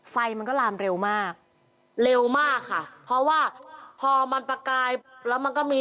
ไฟมันก็ลามเร็วมากเร็วมากค่ะเพราะว่าพอมันประกายแล้วมันก็มี